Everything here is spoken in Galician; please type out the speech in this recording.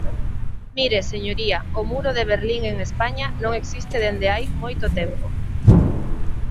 Mire, señoría, o muro de Berlín en España non existe dende hai moito tempo.